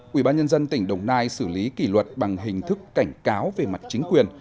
quỹ ban nhân dân tỉnh đồng nai xử lý kỷ luật bằng hình thức cảnh cáo về mặt chính quyền